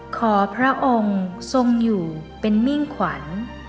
พระองค์ทรงอยู่เป็นมิ่งขวัญ